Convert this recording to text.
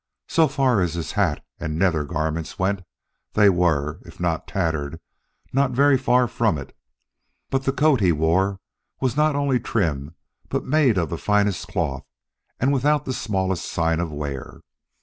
So far as his hat and nether garments went, they were, if not tattered, not very far from it; but the coat he wore was not only trim but made of the finest cloth and without the smallest sign of wear.